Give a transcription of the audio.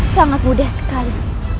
sangat mudah sekali